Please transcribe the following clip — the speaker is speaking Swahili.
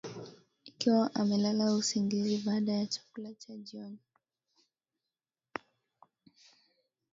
Ikiwa amelala usingizi baada ya chakula cha jioni